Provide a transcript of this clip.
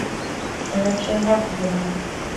An raibh sé i gCorcaigh inné